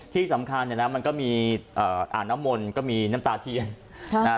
ที่สำคัญเนี่ยนะมันก็มีเอ่ออ่างน้ำมนต์ก็มีน้ำตาเทียนค่ะนะฮะ